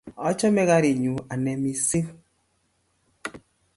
Achame karit nyu ane missing'